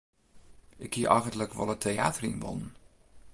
Ik hie eigentlik wol it teäter yn wollen.